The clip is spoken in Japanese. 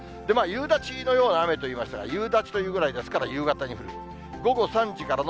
夕立のような雨といいましたが、夕立というぐらいですから、夕方に降る。